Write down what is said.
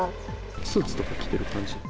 スーツとか着てる感じ？